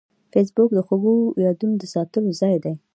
فېسبوک د خوږو یادونو د ساتلو ځای دی